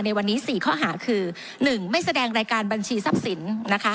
ในวันนี้๔ข้อหาคือ๑ไม่แสดงรายการบัญชีทรัพย์สินนะคะ